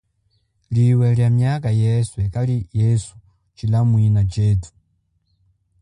Liwe lia miaka yeswe kali yesu tshilamwina chetu.